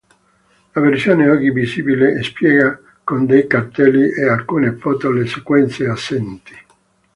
La versione oggi visibile spiega con dei cartelli e alcune foto le sequenze assenti.